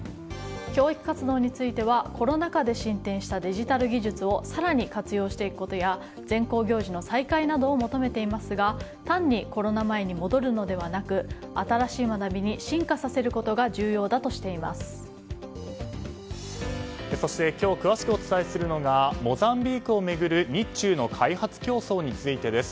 教育活動についてはコロナ禍で進展したデジタル技術を更に活用していくことや全校行事の再開などを求めていますが単にコロナ前に戻るのではなく新しい学びに進化させることがそして今日詳しくお伝えするのがモザンビークを巡る日中の開発競争についてです。